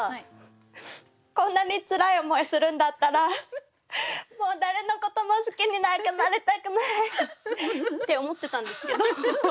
「こんなにツラい思いするんだったらもう誰のことも好きになんかなりたくない！」って思ってたんですけど。